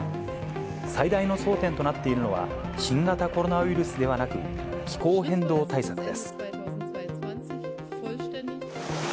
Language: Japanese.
最大の争点となっているのは、新型コロナウイルスではなく、気候変動対策です。